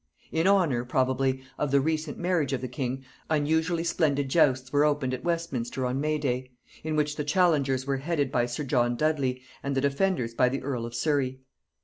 In honor, probably, of the recent marriage of the king, unusually splendid justs were opened at Westminster on May day; in which the challengers were headed by sir John Dudley, and the defenders by the earl of Surry.